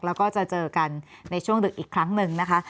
แล้วก็จะเจอกันในช่วงดึกอีกครั้งหนึ่งนะคะ